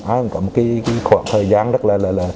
ai cũng có một cái khoảng thời gian rất là